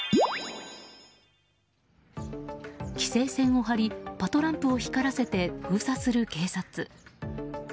規制線をパトランプを光らせて封鎖する警察。